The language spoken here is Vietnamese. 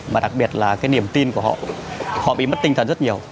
và đặc biệt là cái niềm tin của họ họ bị mất tinh thần rất nhiều